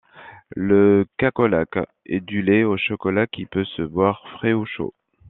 Le Cacolac est du lait au chocolat, qui peut se boire frais ou chaud.